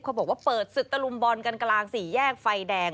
เขาบอกว่าเปิดศึกตลุมบลกันกะลาง๔แยกไฟแดง